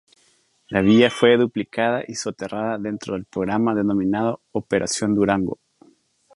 La vía fue duplicada y soterrada dentro del programa denominado "Operación Durango".